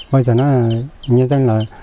bây giờ nó là nhân dân là